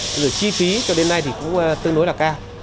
thế rồi chi phí cho đến nay thì cũng tương đối là cao